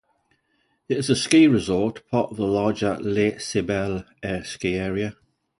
It is a ski resort, part of the larger Les Sybelles ski area.